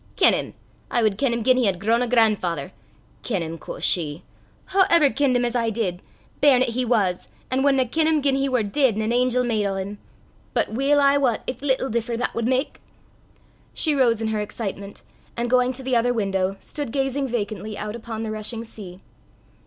"Ken 'im? I wad ken 'im gien he had grown a gran'father. Ken 'im, quo' she! Wha ever kenned 'im as I did, bairn 'at he was, an' wadna ken 'im gien he war deid an' an angel made o' 'im! But weel I wat, it's little differ that wad mak!" She rose in her excitement, and going to the other window, stood gazing vacantly out upon the rushing sea.